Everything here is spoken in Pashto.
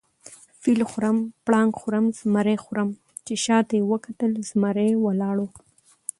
فیل خورم، پړانګ خورم، زمرى خورم . چې شاته یې وکتل زمرى ولاړ وو